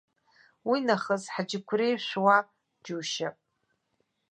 Уинахыс ҳџьықәреи шәуа џьушьап.